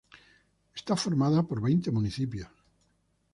Es formada por veinte municipios.